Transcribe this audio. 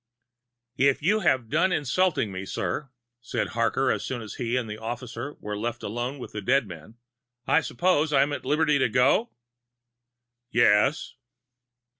"If you have done insulting me, sir," said Harker, as soon as he and the officer were left alone with the dead man, "I suppose I am at liberty to go?" "Yes."